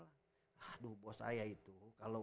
aduh bos saya itu kalau